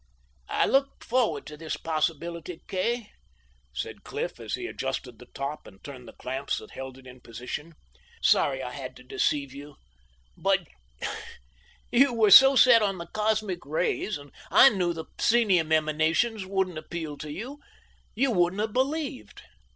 "I looked forward to this possibility, Kay," said Cliff, as he adjusted the top and turned the clamps that held it in position. "Sorry I had to deceive you, but you we're so set on the cosmic rays, and I knew the psenium emanations wouldn't appeal to you. You wouldn't have believed.